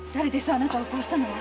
あなたをこうしたのは。